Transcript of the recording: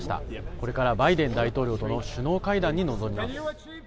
これからバイデン大統領との首脳会談に臨みます。